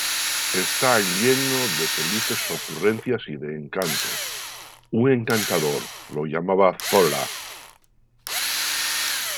Está lleno de felices ocurrencias y de encanto ―"un encantador", lo llamaba Zola―.